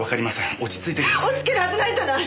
落ち着けるはずないじゃない！